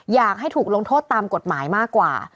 อยากให้ถูกลงโทษตามกฎหมายมากกว่า